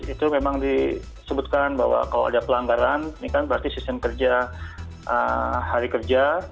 itu memang disebutkan bahwa kalau ada pelanggaran ini kan berarti sistem kerja hari kerja